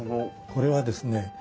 これはですね